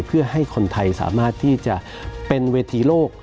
เพื่อให้คนไทยสามารถที่จะเป็นเวทีโลก